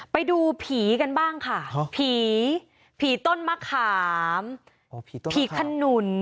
ไปดูผีกันบ้างค่ะผีผีต้นมะขามอ๋อผีต้นมะขามผีขนุน